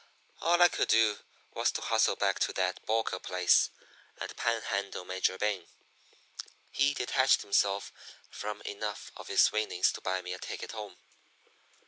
"All I could do was to hustle back to that Boca place and panhandle Major Bing. He detached himself from enough of his winnings to buy me a ticket home.